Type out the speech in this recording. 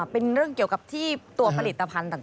เป็นเรื่องเกี่ยวกับที่ตัวผลิตภัณฑ์ต่าง